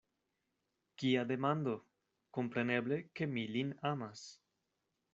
Kia demando! kompreneble, ke mi lin amas.